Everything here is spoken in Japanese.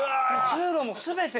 通路も全て。